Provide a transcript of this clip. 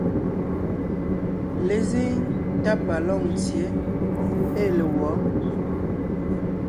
Lezíŋ tá pa Lôŋtsyě ée le wɔ̌?